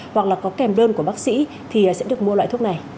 hoặc là có kèm đơn của bác sĩ thì sẽ được mua loại thuốc này